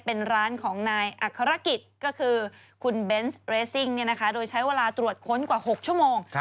เป็นร้านของนายอัครกิจก็คือคุณเบนส์เรสซิ่งโดยใช้เวลาตรวจค้นกว่า๖ชั่วโมง